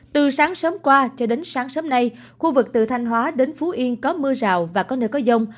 từ sáng sớm qua cho đến sáng sớm nay khu vực từ thanh hóa đến phú yên có mưa rào và có nơi có dông